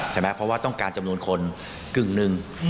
ใช่ไหมเพราะว่าต้องการจำนวนคนกึ่งหนึ่ง